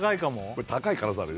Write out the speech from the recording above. これ高い可能性ある？